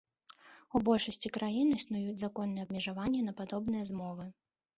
У большасці краін існуюць законныя абмежаванне на падобныя змовы.